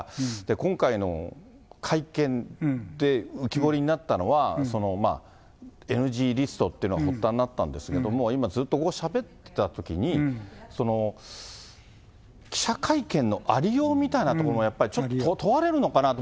今回の会見で浮き彫りになったのは、ＮＧリストというのが発端になったんですけど、今、ずっとしゃべってたときに、記者会見のありようみたいなものも、ちょっと問われるのかなって。